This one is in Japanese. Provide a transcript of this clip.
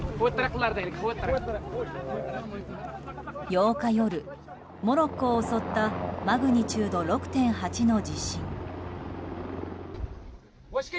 ８日夜、モロッコを襲ったマグニチュード６．８の地震。